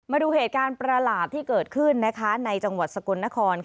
มาดูเหตุการณ์ประหลาดที่เกิดขึ้นในจังหวัดสกลนคร